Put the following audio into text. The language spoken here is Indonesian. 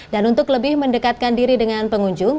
dan untuk lebih mendekatkan diri dengan pengunjung